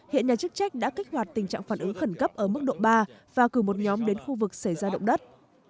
hiện nhà chức trách đã kích hoạt tình trạng phản ứng khẩn cấp ở mức độ ba và cử một nhóm đến khu vực xảy ra động đất